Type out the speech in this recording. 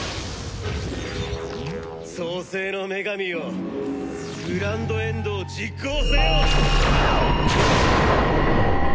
創世の女神よグランドエンドを実行せよ！